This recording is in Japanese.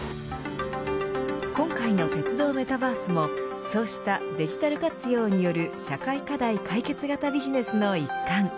今回の鉄道メタバースもそうしたデジタル活用による社会課題解決型ビジネスの一環。